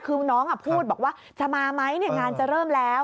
คือน้องพูดบอกว่าจะมาไหมงานจะเริ่มแล้ว